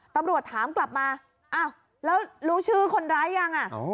ตำรวจถามกลับมาอ้าวแล้วรู้ชื่อคนร้ายยัง